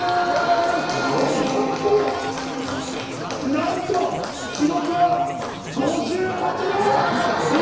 なんと記録は５８秒！